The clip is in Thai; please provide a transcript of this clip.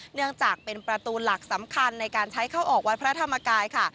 เนื่องจากเป็นประตูหลักสำคัญในการใช้เข้าออกวัดพระธรรมกายค่ะ